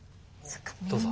どうぞ。